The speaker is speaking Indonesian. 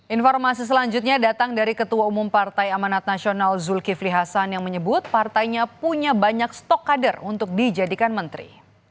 informasi selanjutnya datang dari ketua umum partai amanat nasional zulkifli hasan yang menyebut partainya punya banyak stok kader untuk dijadikan menteri